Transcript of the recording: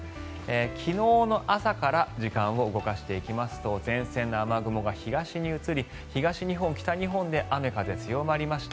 昨日の朝から時間を動かしていきますと前線の雨雲が東に移り東日本、北日本で雨風強まりました。